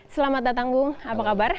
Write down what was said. selamat datang bung apa kabar